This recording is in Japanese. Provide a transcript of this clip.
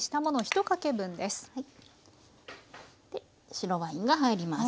白ワインが入ります。